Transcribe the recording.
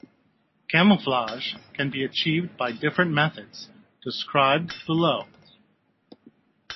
Camouflage can be achieved by different methods, described below.